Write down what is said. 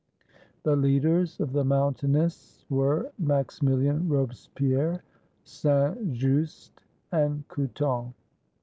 The leaders of the Mountainists were Maximilien Robes pierre, Saint Just, and Couthon.